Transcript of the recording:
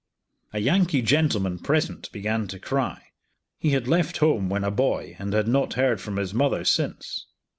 A Yankee gentleman present began to cry. He had left home when a boy, and had not heard from his mother since.